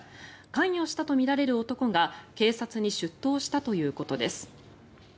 関与したとみられる男が警察に出頭したということです。